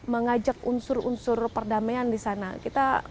mengajak unsur unsur perdamaian di sana